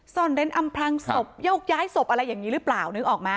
ซ่อนเร้นอำพลังศพโยกย้ายศพอะไรอย่างนี้หรือเปล่านึกออกไหม